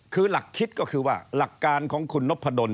คือหลักคิดก็คือว่าหลักการของคุณนพดล